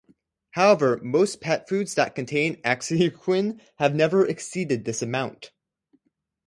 However, most pet foods that contain ethoxyquin have never exceeded this amount.